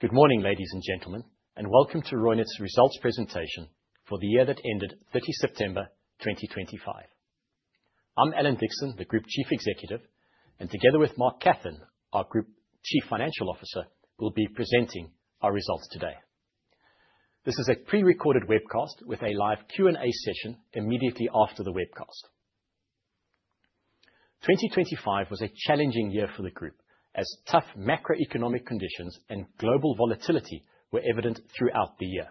Good morning, ladies and gentlemen, and welcome to Reunert's results presentation for the year that ended 30 September 2025. I'm Alan Dickson, the Group Chief Executive, and together with Mark Kathan, our Group Chief Financial Officer, we'll be presenting our results today. This is a pre-recorded webcast with a live Q&A session immediately after the webcast. 2025 was a challenging year for the Group, as tough macroeconomic conditions and global volatility were evident throughout the year.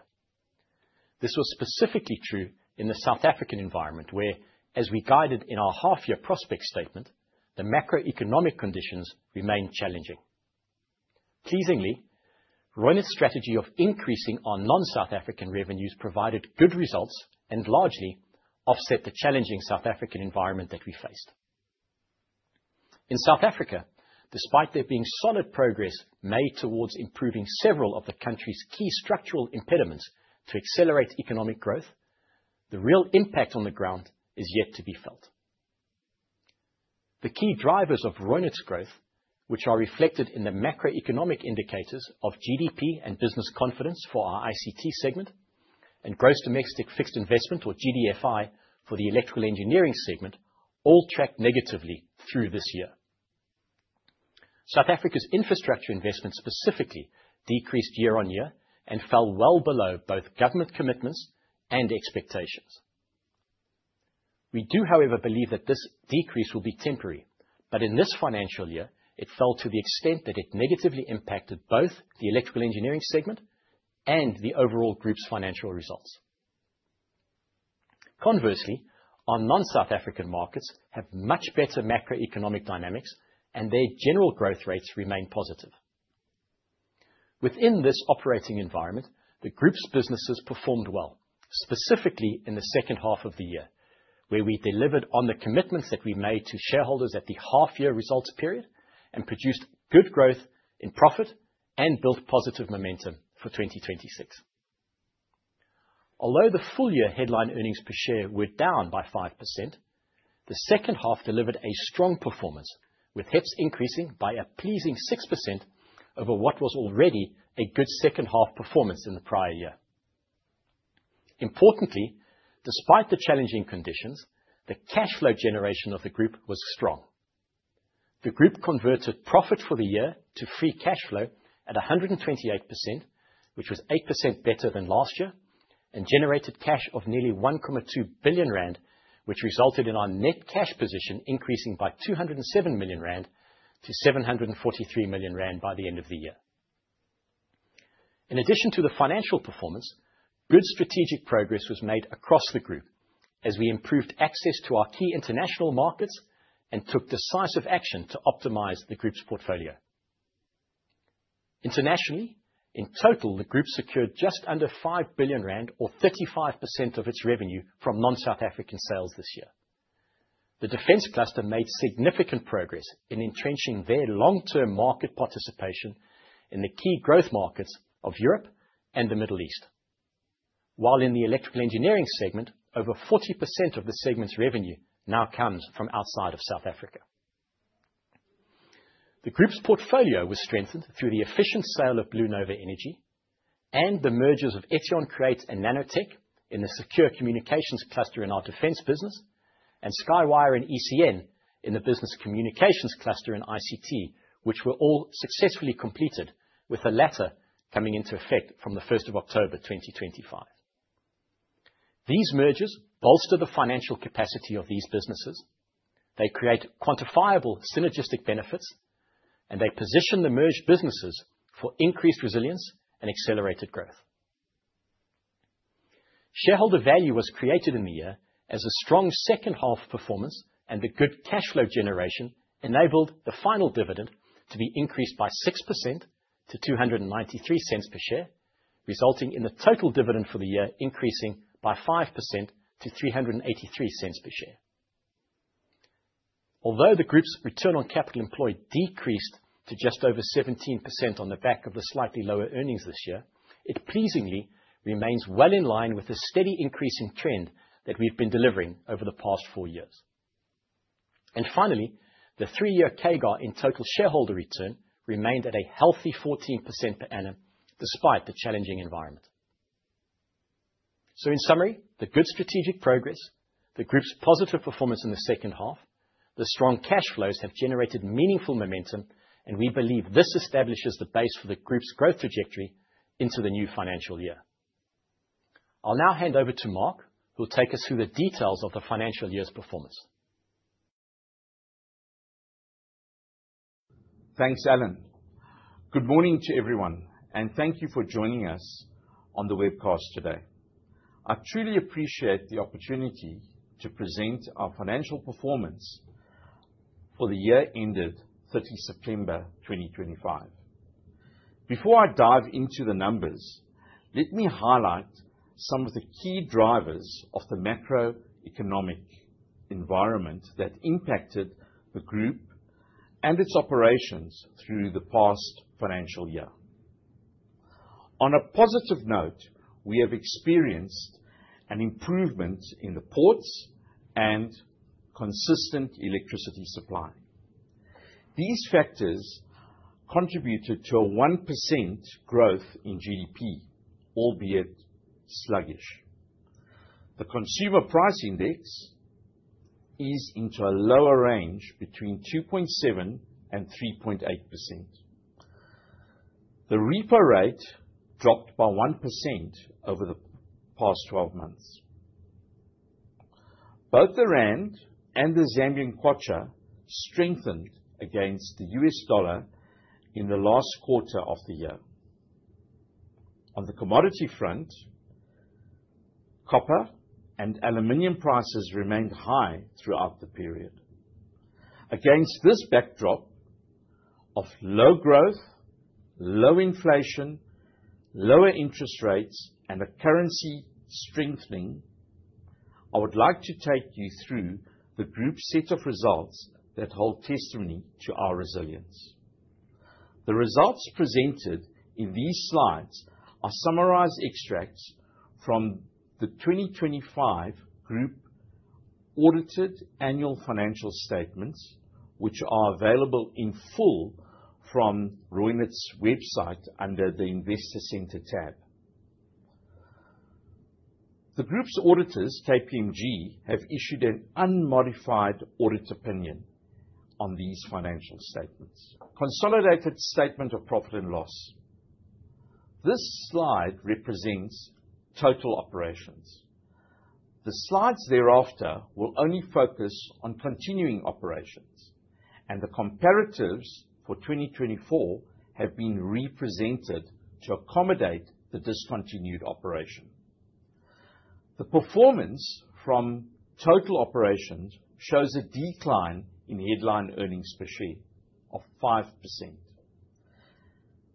This was specifically true in the South African environment, where, as we guided in our half-year prospect statement, the macroeconomic conditions remained challenging. Pleasingly, Reunert's strategy of increasing our non-South African revenues provided good results and largely offset the challenging South African environment that we faced. In South Africa, despite there being solid progress made towards improving several of the country's key structural impediments to accelerate economic growth, the real impact on the ground is yet to be felt. The key drivers of Reunert's growth, which are reflected in the macroeconomic indicators of GDP and business confidence for our ICT segment, and gross domestic fixed investment, or GDFI, for the electrical engineering segment, all tracked negatively through this year. South Africa's infrastructure investment specifically decreased year on year and fell well below both government commitments and expectations. We do, however, believe that this decrease will be temporary, but in this financial year, it fell to the extent that it negatively impacted both the electrical engineering segment and the overall Group's financial results. Conversely, our non-South African markets have much better macroeconomic dynamics, and their general growth rates remain positive. Within this operating environment, the Group's businesses performed well, specifically in the second half of the year, where we delivered on the commitments that we made to shareholders at the half-year results period and produced good growth in profit and built positive momentum for 2026. Although the full-year headline earnings per share were down by 5%, the second half delivered a strong performance, with HEPS increasing by a pleasing 6% over what was already a good second half performance in the prior year. Importantly, despite the challenging conditions, the cash flow generation of the Group was strong. The Group converted profit for the year to free cash flow at 128%, which was 8% better than last year, and generated cash of nearly 1.2 billion rand, which resulted in our net cash position increasing by 207 million rand to 743 million rand by the end of the year. In addition to the financial performance, good strategic progress was made across the Group as we improved access to our key international markets and took decisive action to optimize the Group's portfolio. Internationally, in total, the Group secured just under 5 billion rand, or 35% of its revenue, from non-South African sales this year. The defense cluster made significant progress in entrenching their long-term market participation in the key growth markets of Europe and the Middle East, while in the electrical engineering segment, over 40% of the segment's revenue now comes from outside of South Africa. The Group's portfolio was strengthened through the efficient sale of BlueNova Energy and the mergers of Etion Create and Nanoteq in the secure communications cluster in our defense business, and SkyWire and ECN in the business communications cluster in ICT, which were all successfully completed, with the latter coming into effect from the 1st of October 2025. These mergers bolster the financial capacity of these businesses. They create quantifiable synergistic benefits, and they position the merged businesses for increased resilience and accelerated growth. Shareholder value was created in the year as a strong second half performance and the good cash flow generation enabled the final dividend to be increased by 6% to 2.93 per share, resulting in the total dividend for the year increasing by 5% to 3.83 per share. Although the Group's return on capital employed decreased to just over 17% on the back of the slightly lower earnings this year, it pleasingly remains well in line with the steady increasing trend that we've been delivering over the past four years. Finally, the three-year CAGR in total shareholder return remained at a healthy 14% per annum despite the challenging environment. In summary, the good strategic progress, the Group's positive performance in the second half, the strong cash flows have generated meaningful momentum, and we believe this establishes the base for the Group's growth trajectory into the new financial year. I'll now hand over to Mark, who will take us through the details of the financial year's performance. Thanks, Alan. Good morning to everyone, and thank you for joining us on the webcast today. I truly appreciate the opportunity to present our financial performance for the year ended 30 September 2025. Before I dive into the numbers, let me highlight some of the key drivers of the macroeconomic environment that impacted the Group and its operations through the past financial year. On a positive note, we have experienced an improvement in the ports and consistent electricity supply. These factors contributed to a 1% growth in GDP, albeit sluggish. The consumer price index is into a lower range between 2.7%-3.8%. The repo rate dropped by 1% over the past 12 months. Both the Rand and the Zambian Kwacha strengthened against the U.S. dollar in the last quarter of the year. On the commodity front, copper and aluminum prices remained high throughout the period. Against this backdrop of low growth, low inflation, lower interest rates, and a currency strengthening, I would like to take you through the Group's set of results that hold testimony to our resilience. The results presented in these slides are summarized extracts from the 2025 Group Audited Annual Financial Statements, which are available in full from Reunert's website under the Investor Center tab. The Group's auditors, KPMG, have issued an Unmodified Audit Opinion on these Financial Statements. Consolidated Statement of Profit and Loss. This slide represents total operations. The slides thereafter will only focus on continuing operations, and the comparatives for 2024 have been re-presented to accommodate the discontinued operation. The performance from total operations shows a decline in headline earnings per share of 5%,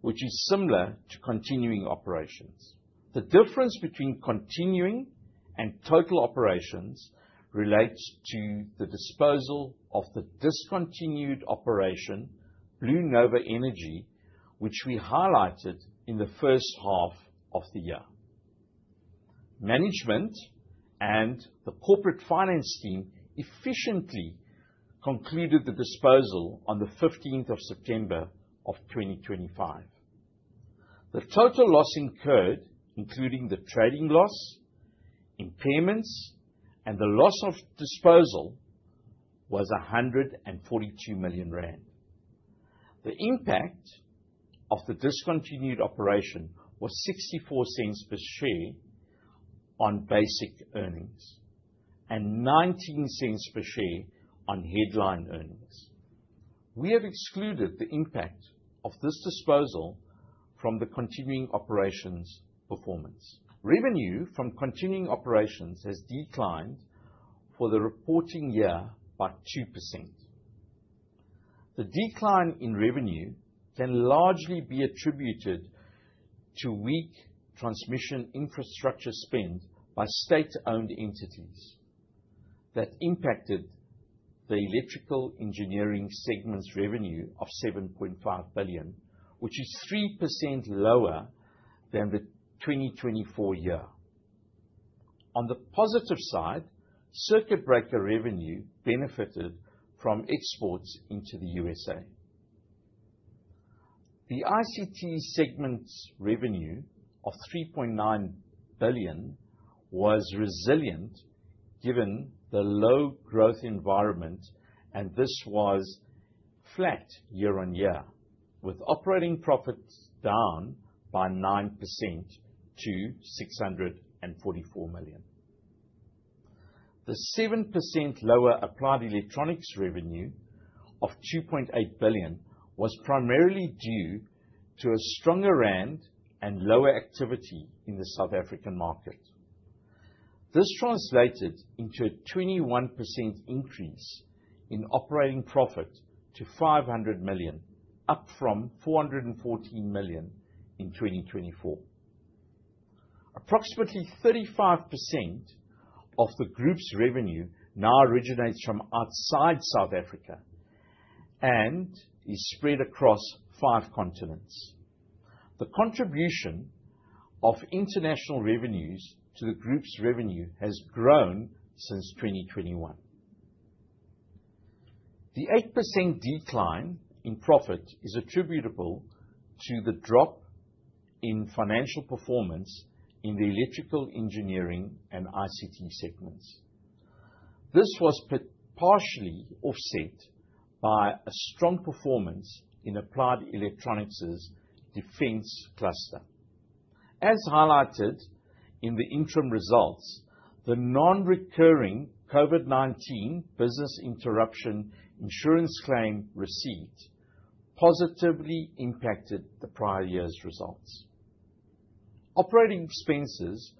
which is similar to continuing operations. The difference between continuing and total operations relates to the disposal of the discontinued operation, BlueNova Energy, which we highlighted in the first half of the year. Management and the corporate finance team efficiently concluded the disposal on the 15th of September of 2025. The total loss incurred, including the trading loss, impairments, and the loss of disposal, was 142 million rand. The impact of the discontinued operation was 0.64 per share on basic earnings and 0.19 per share on headline earnings. We have excluded the impact of this disposal from the continuing operations performance. Revenue from continuing operations has declined for the reporting year by 2%. The decline in revenue can largely be attributed to weak transmission infrastructure spend by state-owned entities that impacted the electrical engineering segment's revenue of 7.5 billion, which is 3% lower than the 2024 year. On the positive side, circuit breaker revenue benefited from exports into the U.S.. The ICT segment's revenue of 3.9 billion was resilient given the low growth environment, and this was flat year on year, with operating profits down by 9% to 644 million. The 7% lower applied electronics revenue of 2.8 billion was primarily due to a stronger Rand and lower activity in the South African market. This translated into a 21% increase in operating profit to 500 million, up from 414 million in 2024. Approximately 35% of the Group's revenue now originates from outside South Africa and is spread across five continents. The contribution of international revenues to the Group's revenue has grown since 2021. The 8% decline in profit is attributable to the drop in financial performance in the electrical engineering and ICT segments. This was partially offset by a strong performance in applied electronics' defense cluster. As highlighted in the interim results, the non-recurring COVID-19 business interruption insurance claim receipt positively impacted the prior year's results. Operating expenses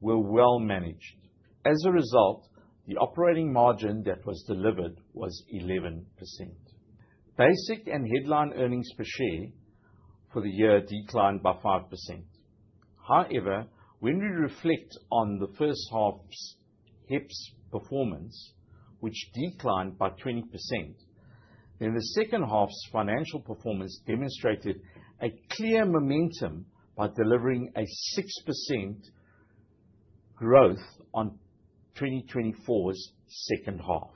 were well managed. As a result, the operating margin that was delivered was 11%. Basic and headline earnings per share for the year declined by 5%. However, when we reflect on the first half's HEPS performance, which declined by 20%, the second half's financial performance demonstrated a clear momentum by delivering a 6% growth on 2024's second half.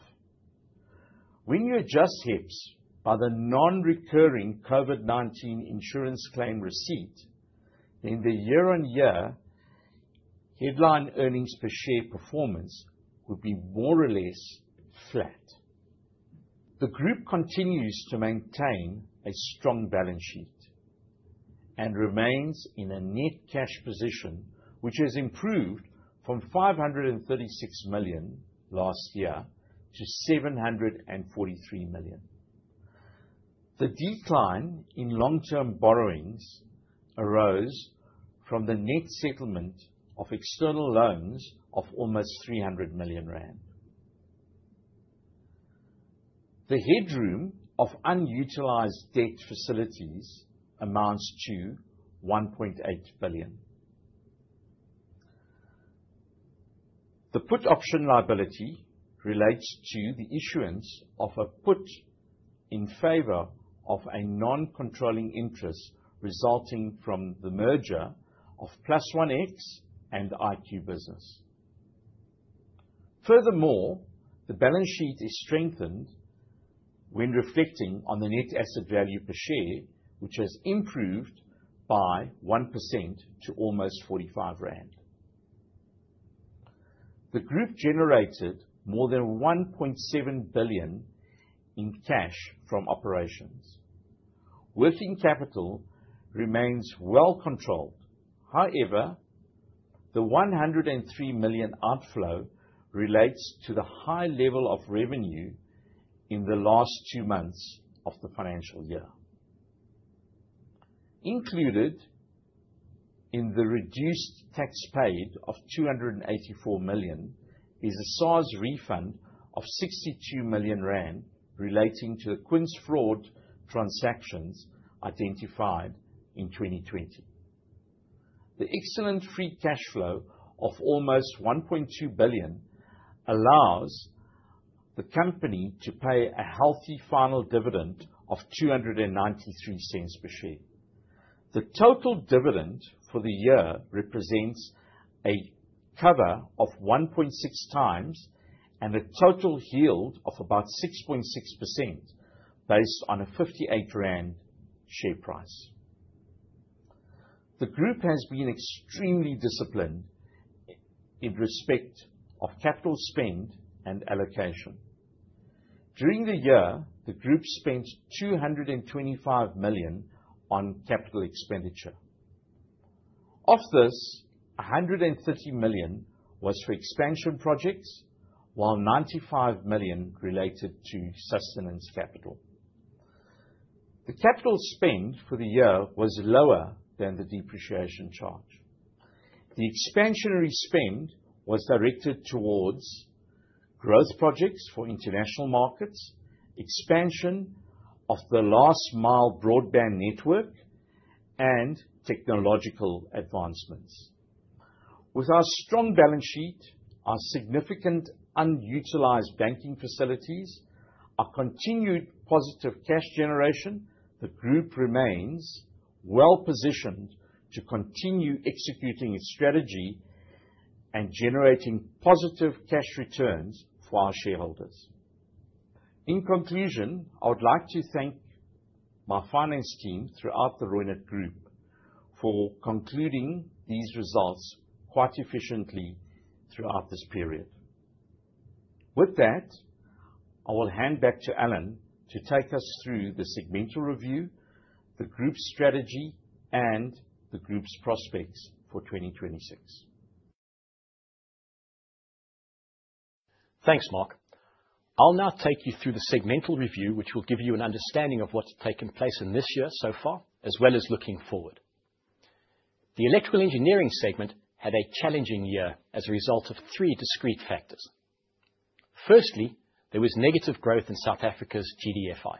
When you adjust HEPS by the non-recurring COVID-19 insurance claim receipt, the year-on-year headline earnings per share performance would be more or less flat. The Group continues to maintain a strong balance sheet and remains in a net cash position, which has improved from 536 million last year to 743 million. The decline in long-term borrowings arose from the net settlement of external loans of almost 300 million rand. The headroom of unutilized debt facilities amounts to ZAR 1.8 billion. The put option liability relates to the issuance of a put in favor of a non-controlling interest resulting from the merger of +OneX and IQBusiness. Furthermore, the balance sheet is strengthened when reflecting on the net asset value per share, which has improved by 1% to almost 45 rand. The Group generated more than 1.7 billion in cash from operations. Working capital remains well controlled. However, the 103 million outflow relates to the high level of revenue in the last two months of the financial year. Included in the reduced tax paid of 284 million is a SARS refund of 62 million rand relating to the Quince fraud transactions identified in 2020. The excellent free cash flow of almost 1.2 billion allows the company to pay a healthy final dividend of 2.93 per share. The total dividend for the year represents a cover of 1.6 times and a total yield of about 6.6% based on a 58 rand share price. The Group has been extremely disciplined in respect of capital spend and allocation. During the year, the Group spent 225 million on capital expenditure. Of this, 130 million was for expansion projects, while 95 million related to sustenance capital. The capital spend for the year was lower than the depreciation charge. The expansionary spend was directed towards growth projects for international markets, expansion of the last-mile broadband network, and technological advancements. With our strong balance sheet, our significant unutilized banking facilities, our continued positive cash generation, the Group remains well positioned to continue executing its strategy and generating positive cash returns for our shareholders. In conclusion, I would like to thank my finance team throughout the Reunert Group for concluding these results quite efficiently throughout this period. With that, I will hand back to Alan to take us through the segmental review, the Group's strategy, and the Group's prospects for 2026. Thanks, Mark. I'll now take you through the segmental review, which will give you an understanding of what's taken place in this year so far, as well as looking forward. The electrical engineering segment had a challenging year as a result of three discrete factors. Firstly, there was negative growth in South Africa's GDFI.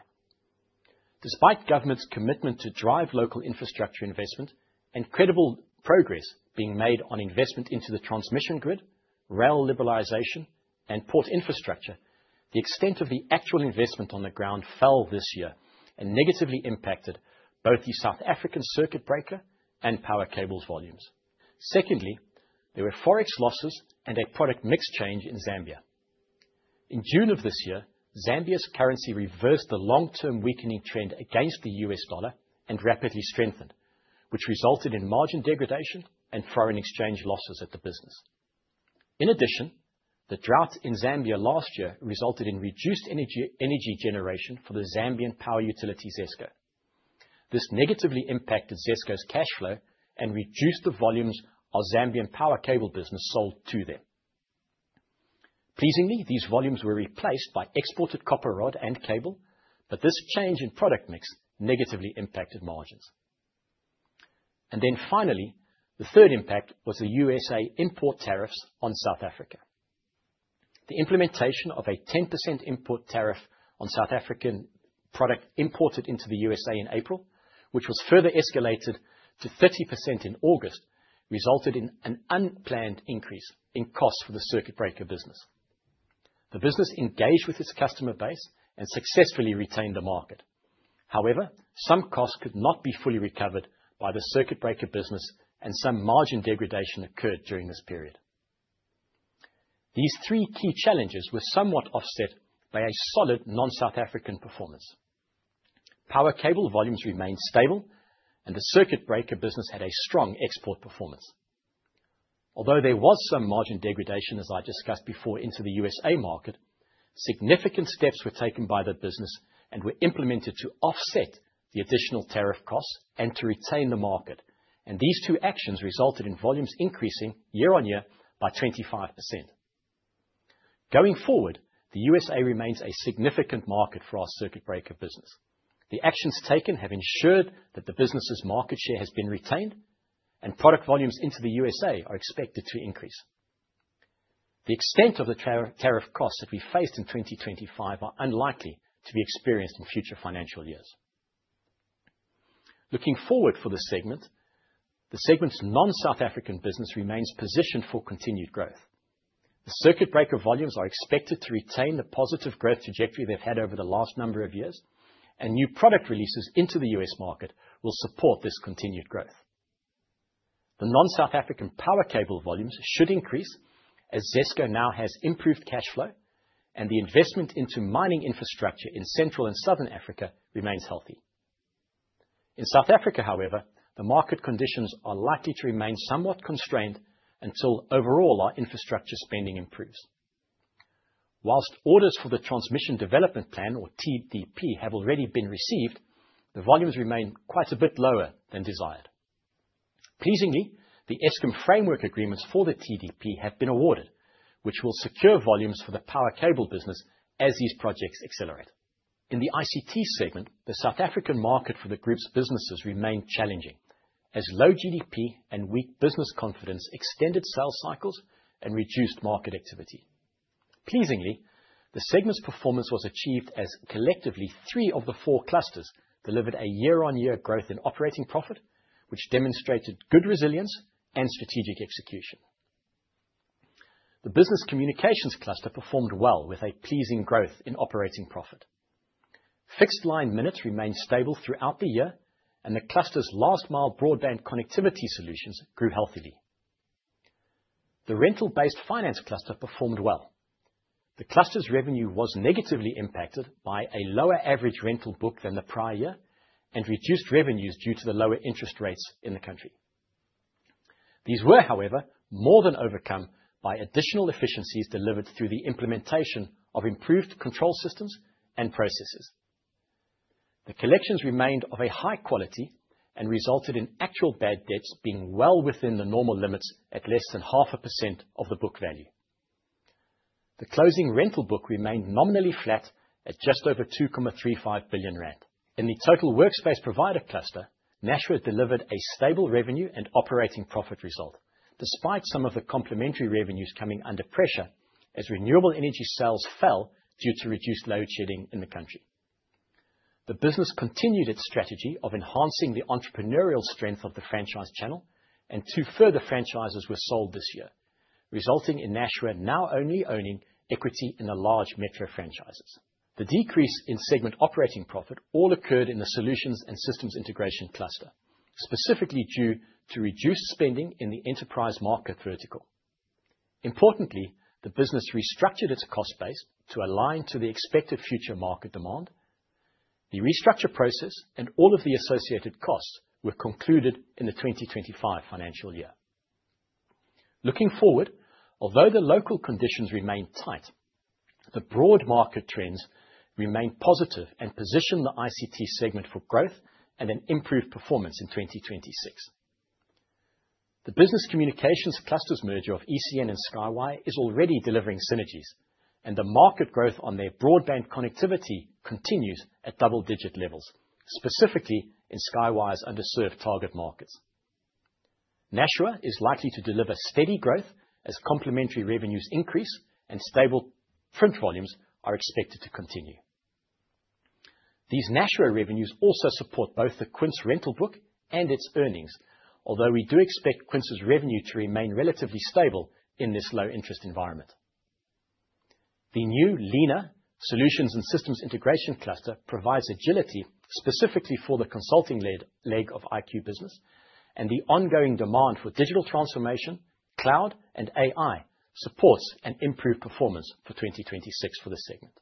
Despite government's commitment to drive local infrastructure investment and credible progress being made on investment into the transmission grid, rail liberalization, and port infrastructure, the extent of the actual investment on the ground fell this year and negatively impacted both the South African circuit breaker and power cables volumes. Secondly, there were forex losses and a product mix change in Zambia. In June of this year, Zambia's currency reversed the long-term weakening trend against the U.S. dollar and rapidly strengthened, which resulted in margin degradation and foreign exchange losses at the business. In addition, the drought in Zambia last year resulted in reduced energy generation for the Zambian power utility ZESCO. This negatively impacted ZESCO's cash flow and reduced the volumes of Zambian power cable business sold to them. Pleasingly, these volumes were replaced by exported copper rod and cable, but this change in product mix negatively impacted margins. Finally, the third impact was the U.S.A. import tariffs on South Africa. The implementation of a 10% import tariff on South African product imported into the U.S.A. in April, which was further escalated to 30% in August, resulted in an unplanned increase in costs for the circuit breaker business. The business engaged with its customer base and successfully retained the market. However, some costs could not be fully recovered by the circuit breaker business, and some margin degradation occurred during this period. These three key challenges were somewhat offset by a solid non-South African performance. Power cable volumes remained stable, and the circuit breaker business had a strong export performance. Although there was some margin degradation, as I discussed before, into the U.S. market, significant steps were taken by the business and were implemented to offset the additional tariff costs and to retain the market. These two actions resulted in volumes increasing year on year by 25%. Going forward, the U.S. remains a significant market for our circuit breaker business. The actions taken have ensured that the business's market share has been retained, and product volumes into the U.S. are expected to increase. The extent of the tariff costs that we faced in 2025 are unlikely to be experienced in future financial years. Looking forward for the segment, the segment's non-South African business remains positioned for continued growth. The circuit breaker volumes are expected to retain the positive growth trajectory they've had over the last number of years, and new product releases into the U.S. market will support this continued growth. The non-South African power cable volumes should increase as ZESCO now has improved cash flow, and the investment into mining infrastructure in Central and Southern Africa remains healthy. In South Africa, however, the market conditions are likely to remain somewhat constrained until overall our infrastructure spending improves. Whilst orders for the Transmission Development Plan, or TDP, have already been received, the volumes remain quite a bit lower than desired. Pleasingly, the Eskom framework agreements for the TDP have been awarded, which will secure volumes for the power cable business as these projects accelerate. In the ICT segment, the South African market for the Group's businesses remained challenging as low GDP and weak business confidence extended sales cycles and reduced market activity. Pleasingly, the segment's performance was achieved as collectively three of the four clusters delivered a year-on-year growth in operating profit, which demonstrated good resilience and strategic execution. The business communications cluster performed well with a pleasing growth in operating profit. Fixed line minutes remained stable throughout the year, and the cluster's last-mile broadband connectivity solutions grew healthily. The rental-based finance cluster performed well. The cluster's revenue was negatively impacted by a lower average rental book than the prior year and reduced revenues due to the lower interest rates in the country. These were, however, more than overcome by additional efficiencies delivered through the implementation of improved control systems and processes. The collections remained of a high quality and resulted in actual bad debts being well within the normal limits at less than 0.5% of the book value. The closing rental book remained nominally flat at just over 2.35 billion rand. In the total workspace provider cluster, Nashua delivered a stable revenue and operating profit result, despite some of the complementary revenues coming under pressure as renewable energy sales fell due to reduced load shedding in the country. The business continued its strategy of enhancing the entrepreneurial strength of the franchise channel, and two further franchises were sold this year, resulting in Nashua now only owning equity in the large metro franchises. The decrease in segment operating profit all occurred in the solutions and systems integration cluster, specifically due to reduced spending in the enterprise market vertical. Importantly, the business restructured its cost base to align to the expected future market demand. The restructure process and all of the associated costs were concluded in the 2025 financial year. Looking forward, although the local conditions remain tight, the broad market trends remain positive and position the ICT segment for growth and an improved performance in 2026. The business communications cluster's merger of ECN and SkyWire is already delivering synergies, and the market growth on their broadband connectivity continues at double-digit levels, specifically in SkyWire's underserved target markets. Nashua is likely to deliver steady growth as complementary revenues increase and stable print volumes are expected to continue. These Nashua revenues also support both the Quince rental book and its earnings, although we do expect Quince's revenue to remain relatively stable in this low-interest environment. The new leaner solutions and systems integration cluster provides agility specifically for the consulting leg of IQ Business, and the ongoing demand for digital transformation, cloud, and AI supports and improves performance for 2026 for the segment.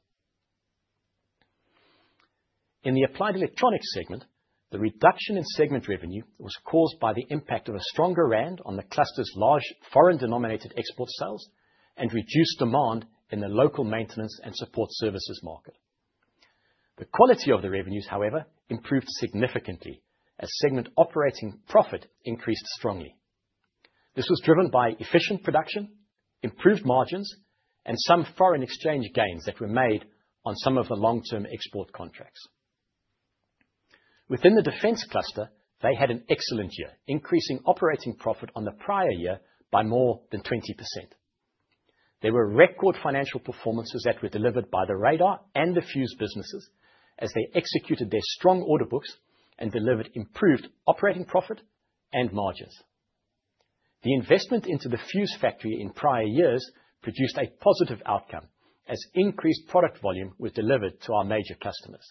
In the applied electronics segment, the reduction in segment revenue was caused by the impact of a stronger Rand on the cluster's large foreign-denominated export sales and reduced demand in the local maintenance and support services market. The quality of the revenues, however, improved significantly as segment operating profit increased strongly. This was driven by efficient production, improved margins, and some foreign exchange gains that were made on some of the long-term export contracts. Within the defense cluster, they had an excellent year, increasing operating profit on the prior year by more than 20%. There were record financial performances that were delivered by the radar and the fuse businesses as they executed their strong order books and delivered improved operating profit and margins. The investment into the fuse factory in prior years produced a positive outcome as increased product volume was delivered to our major customers.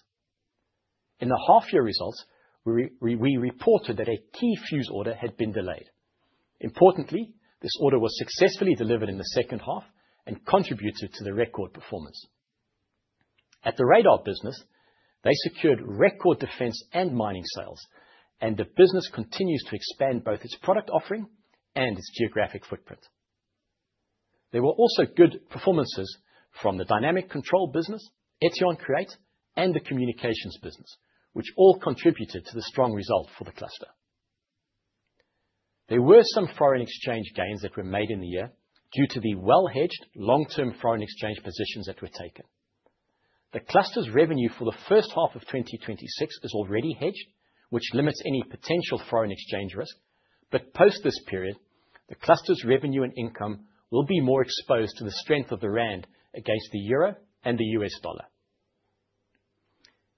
In the half-year results, we reported that a key fuse order had been delayed. Importantly, this order was successfully delivered in the second half and contributed to the record performance. At the radar business, they secured record defense and mining sales, and the business continues to expand both its product offering and its geographic footprint. There were also good performances from the dynamic control business, Etion Create, and the communications business, which all contributed to the strong result for the cluster. There were some foreign exchange gains that were made in the year due to the well-hedged long-term foreign exchange positions that were taken. The cluster's revenue for the first half of 2026 is already hedged, which limits any potential foreign exchange risk, but post this period, the cluster's revenue and income will be more exposed to the strength of the rand against the euro and the U.S. dollar.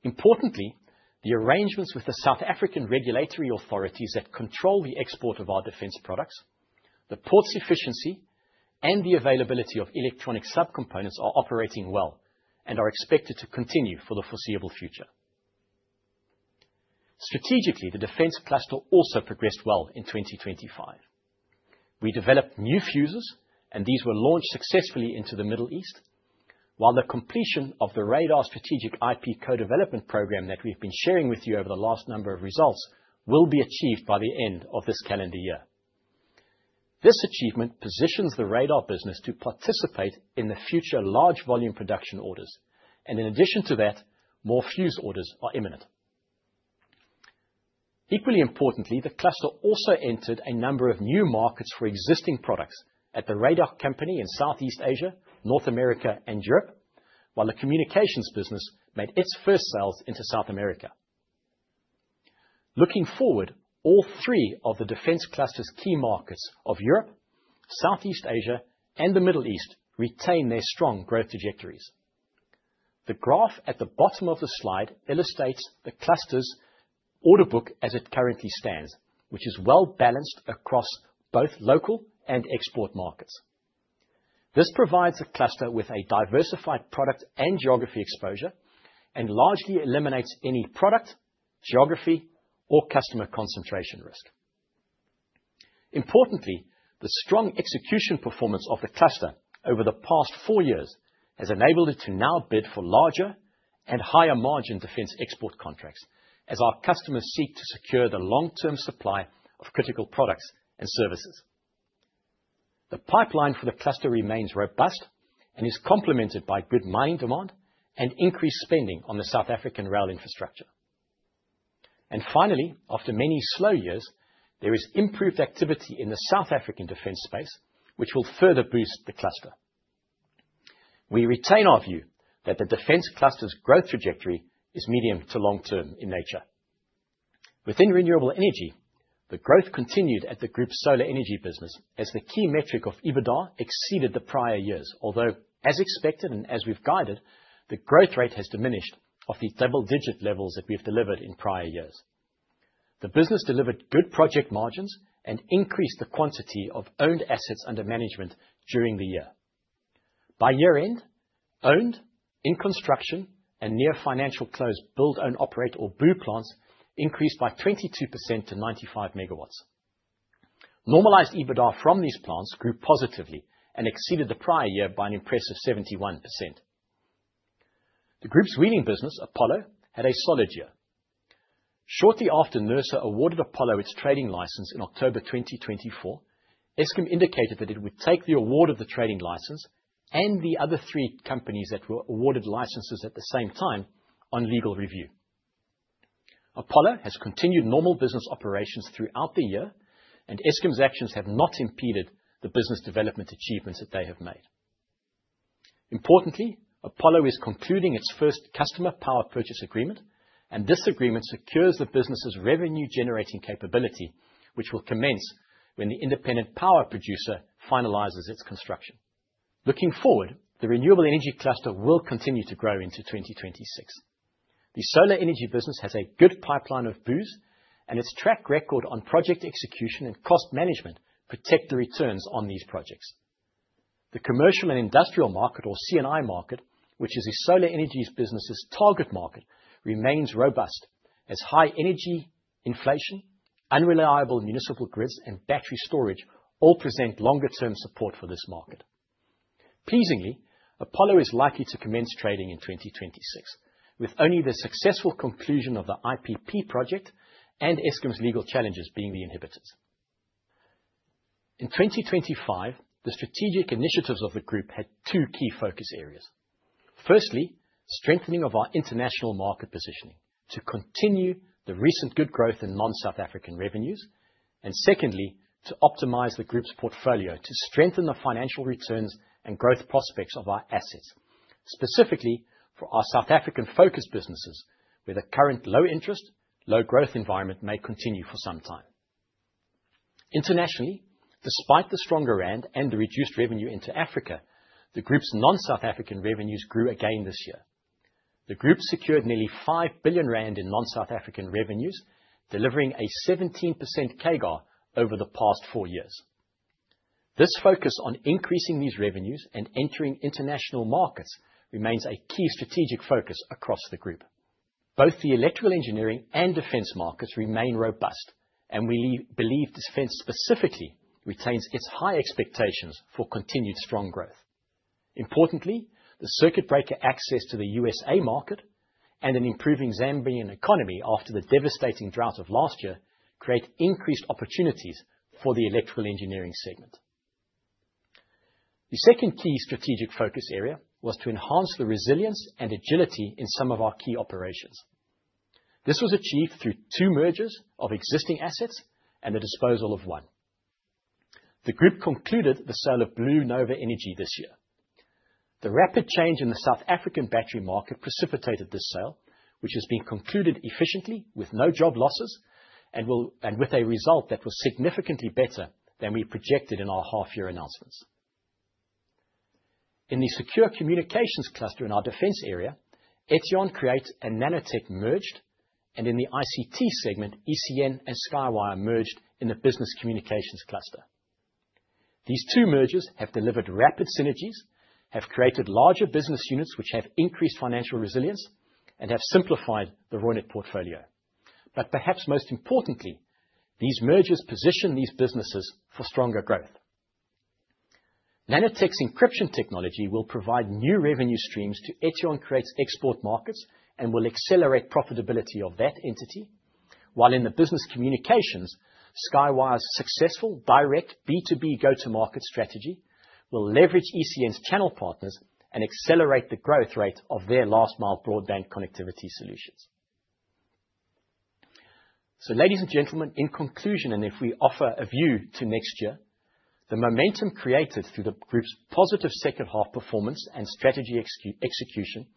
Importantly, the arrangements with the South African regulatory authorities that control the export of our defense products, the ports' efficiency, and the availability of electronic subcomponents are operating well and are expected to continue for the foreseeable future. Strategically, the defense cluster also progressed well in 2025. We developed new fuses, and these were launched successfully into the Middle East, while the completion of the radar strategic IP co-development program that we've been sharing with you over the last number of results will be achieved by the end of this calendar year. This achievement positions the radar business to participate in the future large volume production orders, and in addition to that, more fuse orders are imminent. Equally importantly, the cluster also entered a number of new markets for existing products at the radar company in Southeast Asia, North America, and Europe, while the communications business made its first sales into South America. Looking forward, all three of the defense cluster's key markets of Europe, Southeast Asia, and the Middle East retain their strong growth trajectories. The graph at the bottom of the slide illustrates the cluster's order book as it currently stands, which is well-balanced across both local and export markets. This provides the cluster with a diversified product and geography exposure and largely eliminates any product, geography, or customer concentration risk. Importantly, the strong execution performance of the cluster over the past four years has enabled it to now bid for larger and higher margin defense export contracts as our customers seek to secure the long-term supply of critical products and services. The pipeline for the cluster remains robust and is complemented by good mining demand and increased spending on the South African rail infrastructure. Finally, after many slow years, there is improved activity in the South African defense space, which will further boost the cluster. We retain our view that the defense cluster's growth trajectory is medium to long-term in nature. Within renewable energy, the growth continued at the Group's solar energy business as the key metric of EBITDA exceeded the prior years, although, as expected and as we've guided, the growth rate has diminished off the double-digit levels that we've delivered in prior years. The business delivered good project margins and increased the quantity of owned assets under management during the year. By year-end, owned, in construction, and near-financial close build-own-operate or BOO plants increased by 22% to 95 megawatts. Normalized EBITDA from these plants grew positively and exceeded the prior year by an impressive 71%. The Group's wheeling business, Apollo, had a solid year. Shortly after NERSA awarded Apollo its trading license in October 2024, Eskom indicated that it would take the award of the trading license and the other three companies that were awarded licenses at the same time on legal review. Apollo has continued normal business operations throughout the year, and Eskom's actions have not impeded the business development achievements that they have made. Importantly, Apollo is concluding its first customer power purchase agreement, and this agreement secures the business's revenue-generating capability, which will commence when the independent power producer finalizes its construction. Looking forward, the renewable energy cluster will continue to grow into 2026. The solar energy business has a good pipeline of BOOs, and its track record on project execution and cost management protects the returns on these projects. The commercial and industrial market, or CNI market, which is the solar energy business's target market, remains robust as high energy, inflation, unreliable municipal grids, and battery storage all present longer-term support for this market. Pleasingly, Apollo is likely to commence trading in 2026, with only the successful conclusion of the IPP project and Eskom's legal challenges being the inhibitors. In 2025, the strategic initiatives of the Group had two key focus areas. Firstly, strengthening of our international market positioning to continue the recent good growth in non-South African revenues, and secondly, to optimize the Group's portfolio to strengthen the financial returns and growth prospects of our assets, specifically for our South African-focused businesses where the current low-interest, low-growth environment may continue for some time. Internationally, despite the stronger Rand and the reduced revenue into Africa, the Group's non-South African revenues grew again this year. The Group secured nearly 5 billion rand in non-South African revenues, delivering a 17% CAGR over the past four years. This focus on increasing these revenues and entering international markets remains a key strategic focus across the Group. Both the electrical engineering and defense markets remain robust, and we believe defense specifically retains its high expectations for continued strong growth. Importantly, the circuit breaker access to the U.S. market and an improving Zambian economy after the devastating drought of last year create increased opportunities for the electrical engineering segment. The second key strategic focus area was to enhance the resilience and agility in some of our key operations. This was achieved through two mergers of existing assets and the disposal of one. The Group concluded the sale of BlueNova Energy this year. The rapid change in the South African battery market precipitated this sale, which has been concluded efficiently with no job losses and with a result that was significantly better than we projected in our half-year announcements. In the secure communications cluster in our defense area, Etion Create and Nanoteq merged, and in the ICT segment, ECN and SkyWire merged in the business communications cluster. These two mergers have delivered rapid synergies, have created larger business units which have increased financial resilience, and have simplified the Reunert portfolio. Perhaps most importantly, these mergers position these businesses for stronger growth. Nanoteq's encryption technology will provide new revenue streams to Etion Create's export markets and will accelerate profitability of that entity, while in the business communications, SkyWire's successful direct B2B go-to-market strategy will leverage ECN's channel partners and accelerate the growth rate of their last-mile broadband connectivity solutions. Ladies and gentlemen, in conclusion, and if we offer a view to next year, the momentum created through the Group's positive second half performance and strategy execution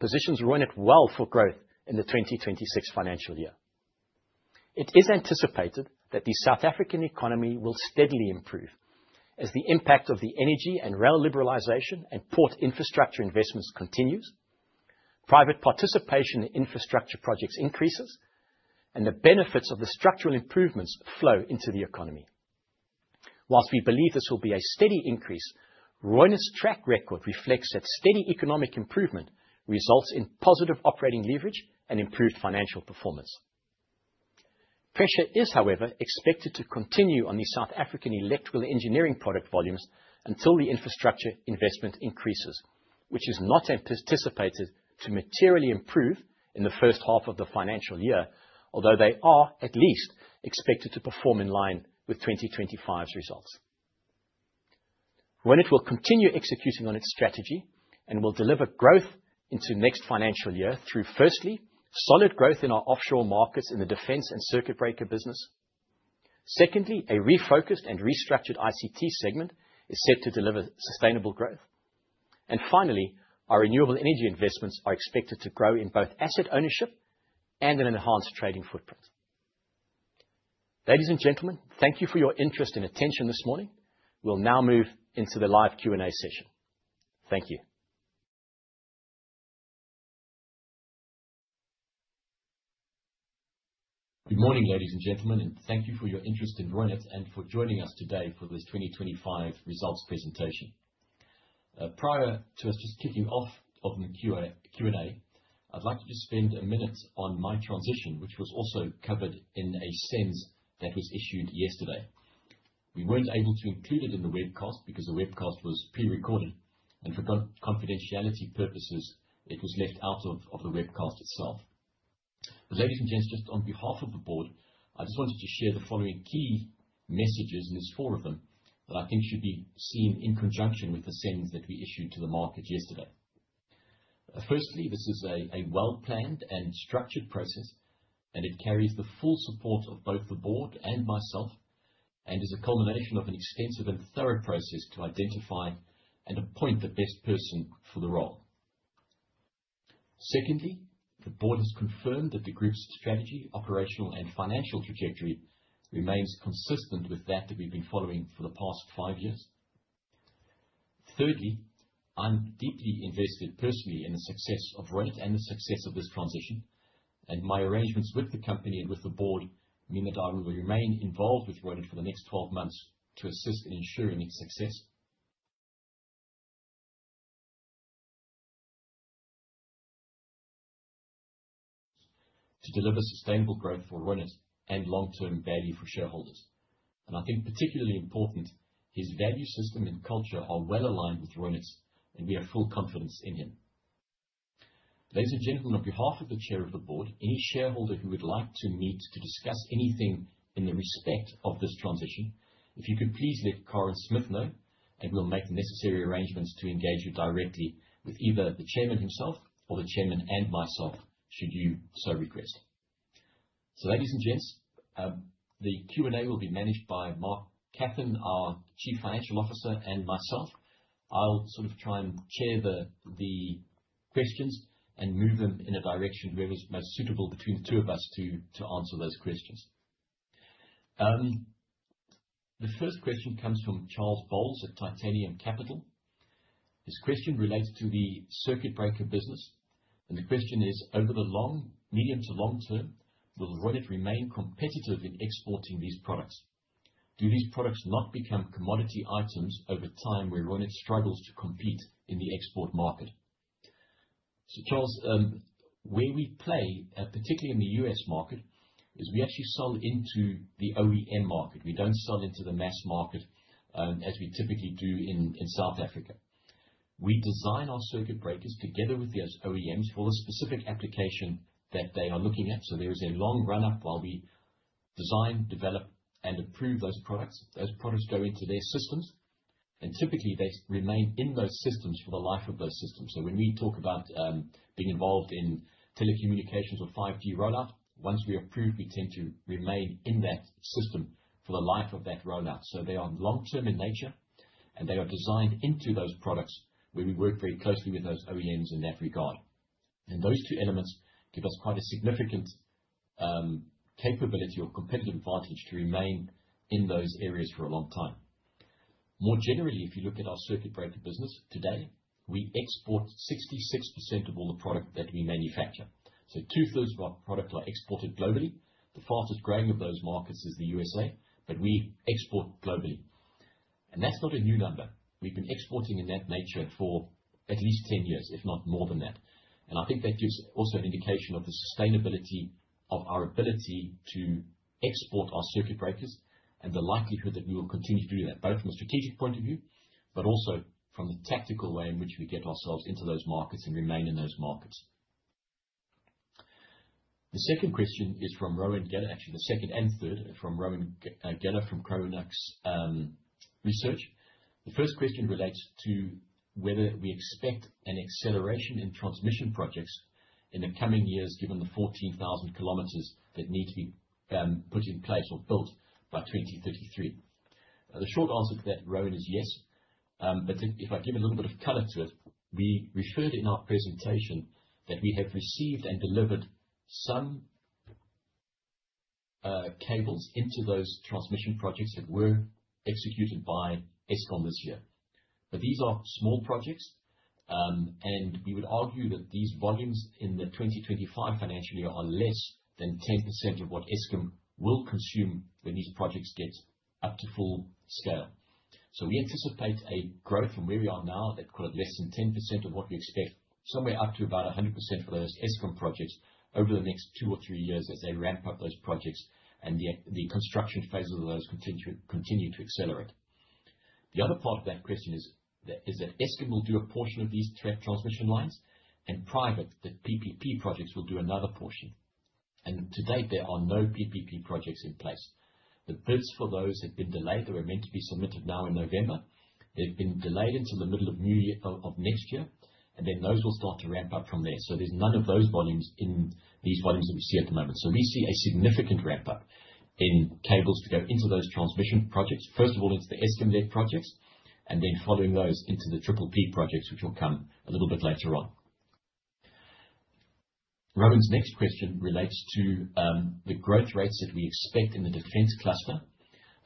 positions Reunert well for growth in the 2026 financial year. It is anticipated that the South African economy will steadily improve as the impact of the energy and rail liberalization and port infrastructure investments continues, private participation in infrastructure projects increases, and the benefits of the structural improvements flow into the economy. Whilst we believe this will be a steady increase, Reunert's track record reflects that steady economic improvement results in positive operating leverage and improved financial performance. Pressure is, however, expected to continue on the South African electrical engineering product volumes until the infrastructure investment increases, which is not anticipated to materially improve in the first half of the financial year, although they are at least expected to perform in line with 2025's results. Reunert will continue executing on its strategy and will deliver growth into next financial year through, firstly, solid growth in our offshore markets in the defense and circuit breaker business. Secondly, a refocused and restructured ICT segment is set to deliver sustainable growth. Finally, our renewable energy investments are expected to grow in both asset ownership and an enhanced trading footprint. Ladies and gentlemen, thank you for your interest and attention this morning. We'll now move into the live Q&A session. Thank you. Good morning, ladies and gentlemen, and thank you for your interest in Reunert and for joining us today for this 2025 results presentation. Prior to us just kicking off the Q&A, I'd like to just spend a minute on my transition, which was also covered in a sense that was issued yesterday. We were not able to include it in the webcast because the webcast was pre-recorded, and for confidentiality purposes, it was left out of the webcast itself. Ladies and gents, just on behalf of the board, I just wanted to share the following key messages, and there's four of them that I think should be seen in conjunction with the sense that we issued to the market yesterday. Firstly, this is a well-planned and structured process, and it carries the full support of both the board and myself, and is a culmination of an extensive and thorough process to identify and appoint the best person for the role. Secondly, the board has confirmed that the Group's strategy, operational, and financial trajectory remains consistent with that that we've been following for the past five years. Thirdly, I'm deeply invested personally in the success of Reunert and the success of this transition, and my arrangements with the company and with the board mean that I will remain involved with Reunert for the next 12 months to assist in ensuring its success, to deliver sustainable growth for Reunert and long-term value for shareholders. I think particularly important, his value system and culture are well aligned with Reunert's, and we have full confidence in him. Ladies and gentlemen, on behalf of the chair of the board, any shareholder who would like to meet to discuss anything in the respect of this transition, if you could please let Corin Smith know, and we'll make the necessary arrangements to engage you directly with either the chairman himself or the chairman and myself should you so request. Ladies and gents, the Q&A will be managed by Mark Kathan, our Chief Financial Officer, and myself. I'll sort of try and chair the questions and move them in a direction whoever's most suitable between the two of us to answer those questions. The first question comes from Charles Boles at Titanium Capital. This question relates to the circuit breaker business, and the question is, over the medium to long term, will Reunert remain competitive in exporting these products? Do these products not become commodity items over time where Reunert struggles to compete in the export market? Charles, where we play, particularly in the U.S. market, is we actually sell into the OEM market. We don't sell into the mass market as we typically do in South Africa. We design our circuit breakers together with the OEMs for the specific application that they are looking at. There is a long run-up while we design, develop, and approve those products. Those products go into their systems, and typically, they remain in those systems for the life of those systems. When we talk about being involved in telecommunications or 5G rollout, once we approve, we tend to remain in that system for the life of that rollout. They are long-term in nature, and they are designed into those products where we work very closely with those OEMs in that regard. Those two elements give us quite a significant capability or competitive advantage to remain in those areas for a long time. More generally, if you look at our circuit breaker business today, we export 66% of all the product that we manufacture. Two-thirds of our product are exported globally. The fastest growing of those markets is the U.S.A, but we export globally. That is not a new number. We have been exporting in that nature for at least 10 years, if not more than that. I think that gives also an indication of the sustainability of our ability to export our circuit breakers and the likelihood that we will continue to do that, both from a strategic point of view, but also from the tactical way in which we get ourselves into those markets and remain in those markets. The second question is from Rowan Goeller Goeller, actually the second and third from Rowan Goeller from Chronux Research. The first question relates to whether we expect an acceleration in transmission projects in the coming years, given the 14,000 kilometers that need to be put in place or built by 2033? The short answer to that, Rowan, is yes. If I give a little bit of color to it, we referred in our presentation that we have received and delivered some cables into those transmission projects that were executed by Eskom this year. These are small projects, and we would argue that these volumes in the 2025 financial year are less than 10% of what Eskom will consume when these projects get up to full scale. We anticipate a growth from where we are now at less than 10% of what we expect, somewhere up to about 100% for those Eskom projects over the next two or three years as they ramp up those projects and the construction phase of those continue to accelerate. The other part of that question is that Eskom will do a portion of these transmission lines, and private, the PPP projects will do another portion? To date, there are no PPP projects in place. The bids for those have been delayed. They were meant to be submitted now in November. They've been delayed until the middle of next year, and those will start to ramp up from there. There's none of those volumes in these volumes that we see at the moment. We see a significant ramp-up in cables to go into those transmission projects, first of all into the Eskom-led projects, and then following those into the PPP projects, which will come a little bit later on. Rowan's next question relates to the growth rates that we expect in the defense cluster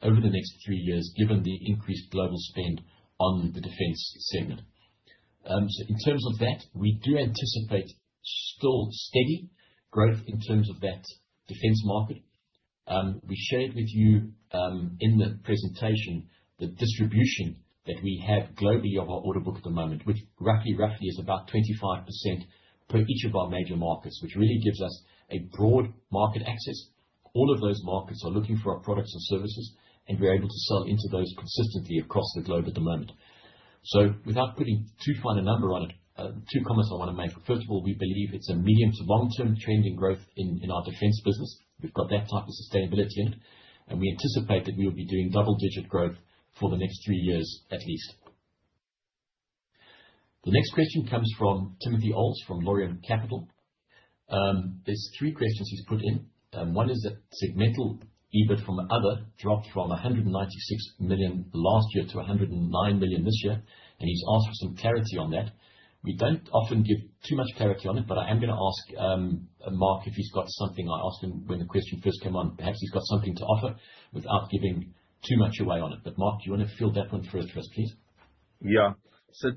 over the next three years, given the increased global spend on the defense segment. In terms of that, we do anticipate still steady growth in terms of that defense market. We shared with you in the presentation the distribution that we have globally of our order book at the moment, which roughly, roughly is about 25% per each of our major markets, which really gives us a broad market access. All of those markets are looking for our products and services, and we're able to sell into those consistently across the globe at the moment. Without putting too fine a number on it, two comments I want to make. First of all, we believe it's a medium to long-term trend in growth in our defense business. We've got that type of sustainability in it, and we anticipate that we will be doing double-digit growth for the next three years at least. The next question comes from Timothy Olds from Lorient Capital. There's three questions he's put in. One is that segmental EBIT from other dropped from 196 million last year to 109 million this year, and he's asked for some clarity on that. We don't often give too much clarity on it, but I am going to ask Mark if he's got something. I asked him when the question first came on, perhaps he's got something to offer without giving too much away on it. Mark, do you want to fill that one first for us, please? Yeah.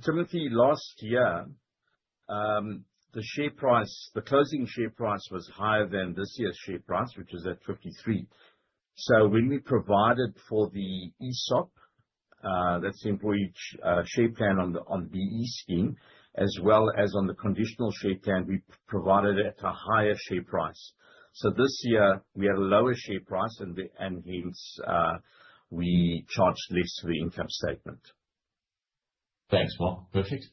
Timothy, last year, the share price, the closing share price was higher than this year's share price, which is at 53. When we provided for the ESOP, that's the Employee Share Plan on the BE scheme, as well as on the Conditional Share Plan, we provided it at a higher share price. This year, we had a lower share price, and hence, we charged less for the income statement. Thanks, Mark. Perfect.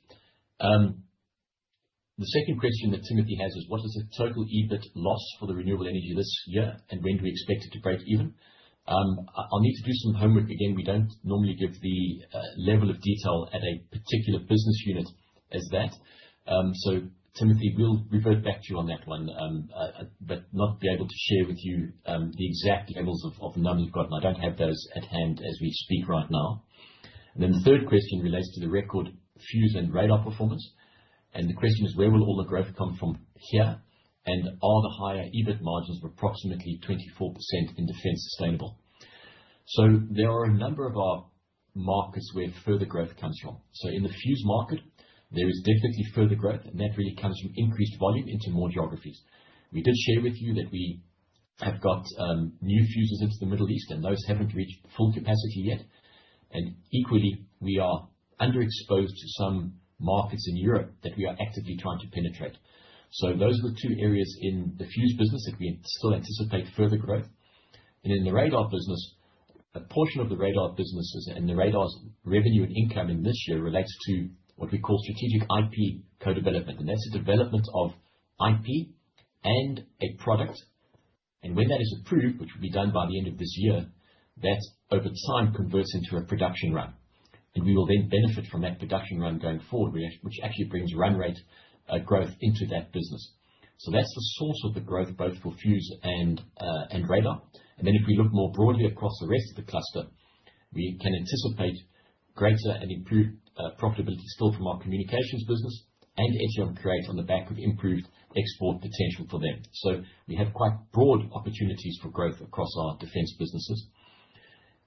The second question that Timothy has is, what is the total EBIT loss for the renewable energy this year, and when do we expect it to break even? I'll need to do some homework again. We don't normally give the level of detail at a particular business unit as that. Timothy, we'll revert back to you on that one, but not be able to share with you the exact levels of numbers we've gotten. I don't have those at hand as we speak right now. The third question relates to the record fuse and radar performance. The question is, where will all the growth come from here, and are the higher EBIT margins of approximately 24% in defense sustainable? There are a number of our markets where further growth comes from. In the fuse market, there is definitely further growth, and that really comes from increased volume into more geographies. We did share with you that we have got new fuses into the Middle East, and those have not reached full capacity yet. Equally, we are underexposed to some markets in Europe that we are actively trying to penetrate. Those were two areas in the fuse business that we still anticipate further growth. In the radar business, a portion of the radar business and the radar's revenue and income in this year relates to what we call strategic IP co-development. That is the development of IP and a product. When that is approved, which will be done by the end of this year, that over time converts into a production run. We will then benefit from that production run going forward, which actually brings run rate growth into that business. That's the source of the growth, both for fuse and radar. If we look more broadly across the rest of the cluster, we can anticipate greater and improved profitability still from our communications business and Etion Create on the back of improved export potential for them. We have quite broad opportunities for growth across our defense businesses.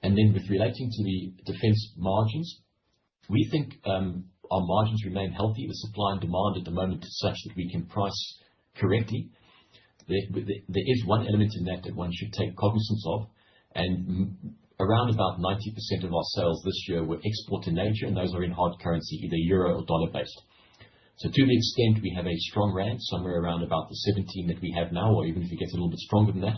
With relating to the defense margins, we think our margins remain healthy. The supply and demand at the moment is such that we can price correctly. There is one element in that that one should take cognizance of. Around 90% of our sales this year were export in nature, and those are in hard currency, either euro or dollar-based. To the extent we have a strong rand, somewhere around about the 17 that we have now, or even if it gets a little bit stronger than that,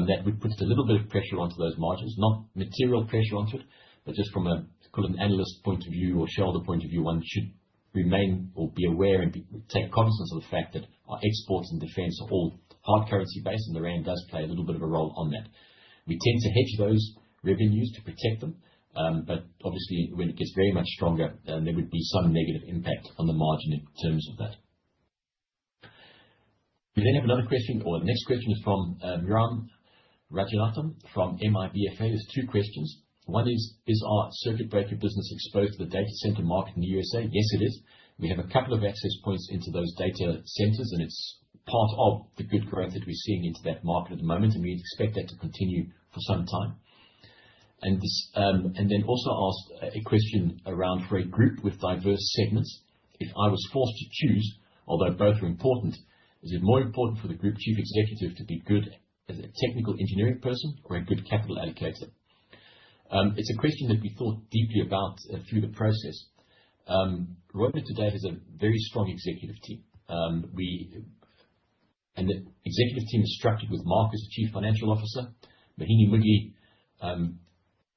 that would put a little bit of pressure onto those margins. Not material pressure onto it, but just from a, call it an analyst point of view or shareholder point of view, one should remain or be aware and take cognizance of the fact that our exports and defense are all hard currency-based, and the rand does play a little bit of a role on that. We tend to hedge those revenues to protect them, but obviously, when it gets very much stronger, there would be some negative impact on the margin in terms of that. We then have another question, or the next question is from Myron Rajatnam from MIBFA. There's two questions. One is, is our circuit breaker business exposed to the data center market in the U.S.A? Yes, it is. We have a couple of access points into those data centers, and it's part of the good growth that we're seeing into that market at the moment, and we expect that to continue for some time. Also asked a question around for a group with diverse segments. If I was forced to choose, although both are important, is it more important for the Group Chief Executive to be good as a technical engineering person or a good capital allocator? It's a question that we thought deeply about through the process. Reunert today has a very strong executive team. The executive team is structured with Mark as the Chief Financial Officer, Mohini Moodley,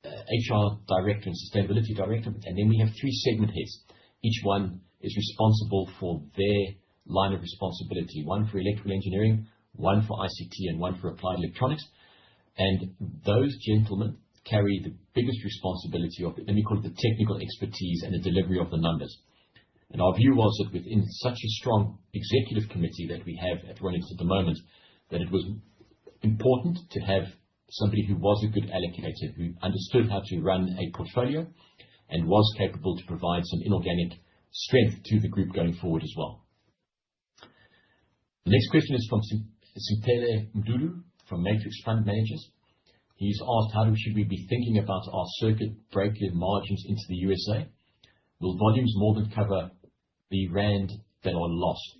HR Director and Sustainability Director. We have three segment heads. Each one is responsible for their line of responsibility, one for electrical engineering, one for ICT, and one for applied electronics. Those gentlemen carry the biggest responsibility of, let me call it, the technical expertise and the delivery of the numbers. Our view was that within such a strong executive committee that we have at Reunert at the moment, it was important to have somebody who was a good allocator, who understood how to run a portfolio and was capable to provide some inorganic strength to the group going forward as well. The next question is from Siphele Mdudu from Matrix Fund Managers. He's asked, how should we be thinking about our circuit breaker margins into the U.S.? Will volumes more than cover the rand that are lost?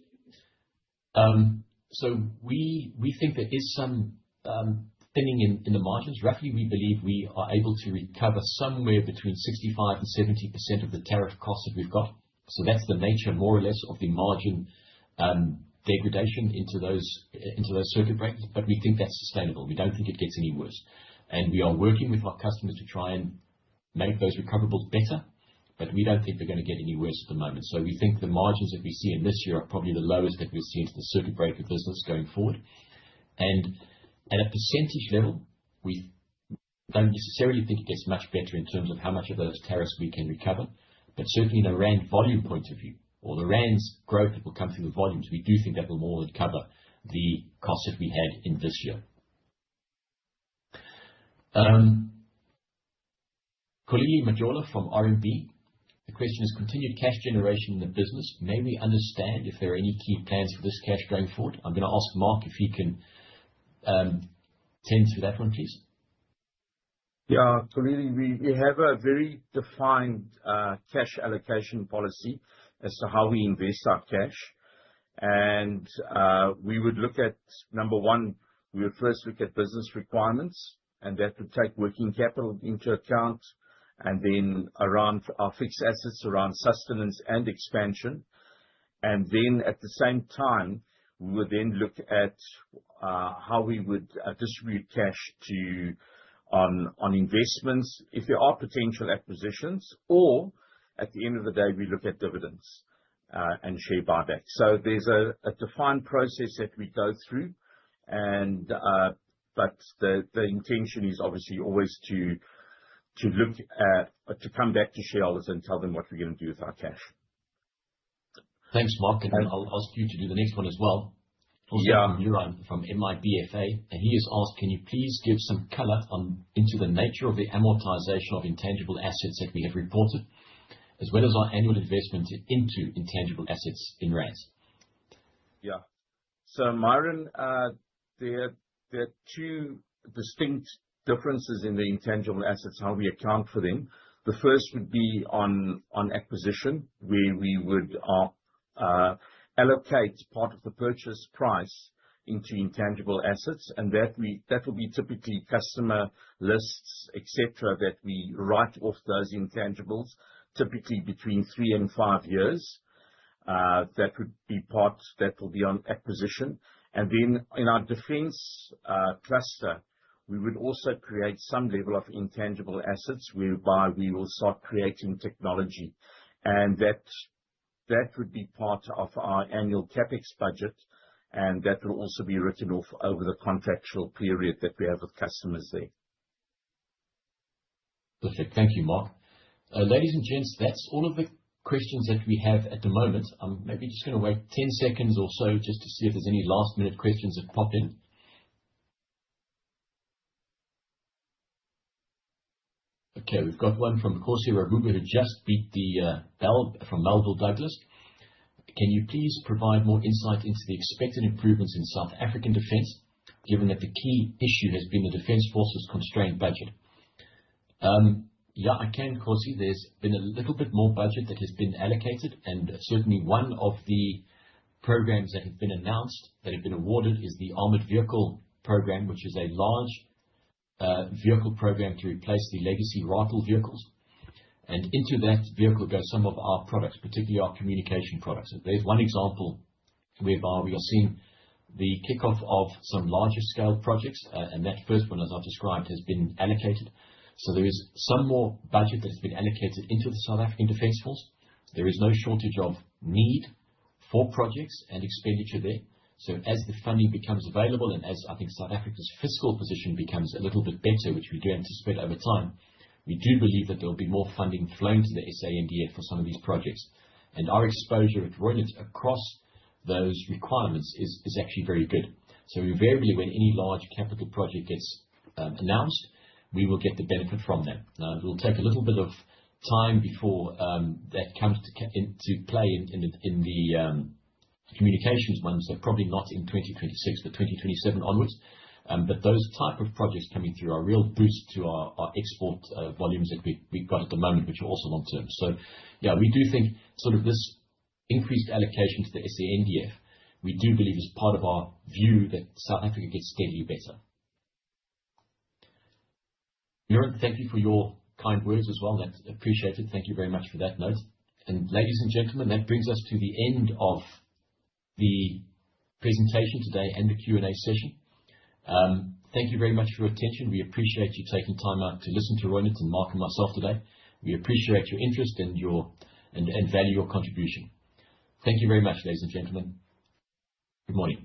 We think there is some thinning in the margins. Roughly, we believe we are able to recover somewhere between 65% and 70% of the tariff costs that we've got. That is the nature, more or less, of the margin degradation into those circuit breakers, but we think that's sustainable. We don't think it gets any worse. We are working with our customers to try and make those recoverables better, but we don't think they're going to get any worse at the moment. We think the margins that we see in this year are probably the lowest that we've seen to the circuit breaker business going forward. At a percentage level, we do not necessarily think it gets much better in terms of how much of those tariffs we can recover, but certainly the rand volume point of view, or the rand's growth that will come through the volumes, we do think that will more than cover the costs that we had in this year. Axolile Majola from RMB, the question is continued cash generation in the business. May we understand if there are any key plans for this cash going forward? I am going to ask Mark if he can tend to that one, please. Yeah. We have a very defined cash allocation policy as to how we invest our cash. We would look at, number one, we would first look at business requirements, and that would take working capital into account, and then around our fixed assets, around sustenance and expansion. At the same time, we would then look at how we would distribute cash on investments if there are potential acquisitions, or at the end of the day, we look at dividends and share buybacks. There is a defined process that we go through, but the intention is obviously always to come back to shareholders and tell them what we are going to do with our cash. Thanks, Mark. I will ask you to do the next one as well. Also from Myron from MIBFA. He has asked, can you please give some color into the nature of the amortization of intangible assets that we have reported, as well as our annual investment into intangible assets in ZAR? Yeah. Myron, there are two distinct differences in the intangible assets, how we account for them. The first would be on acquisition, where we would allocate part of the purchase price into intangible assets, and that will be typically customer lists, etc., that we write off those intangibles, typically between three and five years. That would be part that will be on acquisition. In our defense cluster, we would also create some level of intangible assets, whereby we will start creating technology. That would be part of our annual CapEx budget, and that will also be written off over the contractual period that we have with customers there. Perfect. Thank you, Mark. Ladies and gents, that's all of the questions that we have at the moment. I'm maybe just going to wait 10 seconds or so just to see if there's any last-minute questions that pop in. Okay. We've got one from Kgosi Rahube had just beat the bell from Melville Douglas. Can you please provide more insight into the expected improvements in South African defense, given that the key issue has been the Defense Forces' constrained budget? Yeah, I can, Kgosi. There's been a little bit more budget that has been allocated, and certainly one of the programs that have been announced, that have been awarded, is the Armored Vehicle Program, which is a large vehicle program to replace the legacy Ratel vehicles. Into that vehicle go some of our products, particularly our communication products. There's one example whereby we are seeing the kickoff of some larger-scale projects, and that first one, as I've described, has been allocated. There is some more budget that has been allocated into the South African Defense Force. There is no shortage of need for projects and expenditure there. As the funding becomes available and as I think South Africa's fiscal position becomes a little bit better, which we do anticipate over time, we do believe that there will be more funding flowing to the SANDF for some of these projects. Our exposure at Reunert across those requirements is actually very good. Invariably, when any large capital project gets announced, we will get the benefit from them. It will take a little bit of time before that comes into play in the communications ones. They're probably not in 2026, but 2027 onwards. Those type of projects coming through are a real boost to our export volumes that we've got at the moment, which are also long-term. We do think sort of this increased allocation to the SANDF, we do believe is part of our view that South Africa gets steadily better. Myron, thank you for your kind words as well. That is appreciated. Thank you very much for that note. Ladies and gentlemen, that brings us to the end of the presentation today and the Q&A session. Thank you very much for your attention. We appreciate you taking time out to listen to Reunert and Mark and myself today. We appreciate your interest and value your contribution. Thank you very much, ladies and gentlemen. Good morning.